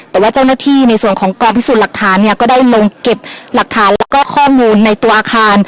แต่ว่าเจ้าหน้าที่ในส่วนของกองพิสูจน์หลักฐานเนี่ยก็ได้ลงเก็บหลักฐานแล้วก็ข้อมูลในตัวอาคาร